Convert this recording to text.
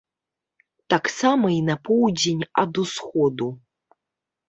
Таксама і на поўдзень ад усходу.